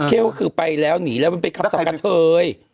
ก็คือไปแล้วหนีแล้วมันเป็นคำสังกะเทย